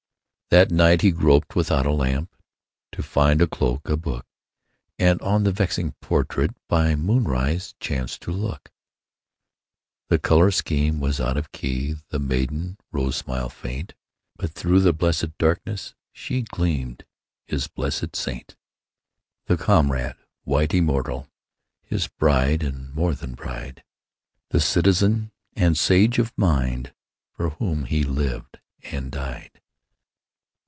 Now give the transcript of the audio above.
That night he groped without a lamp To find a cloak, a book, And on the vexing portrait By moonrise chanced to look. The color scheme was out of key, The maiden rose smile faint, But through the blessed darkness She gleamed, his friendly saint. The comrade, white, immortal, His bride, and more than bride— The citizen, the sage of mind, For whom he lived and died.